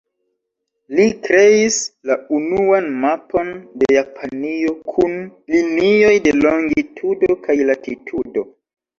Li kreis la unuan mapon de Japanio kun linioj de longitudo kaj latitudo.